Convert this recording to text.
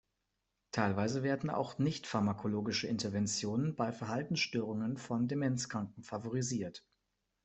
Teilweise werden auch nicht-pharmakologische Interventionen bei Verhaltensstörungen von Demenzkranken favorisiert.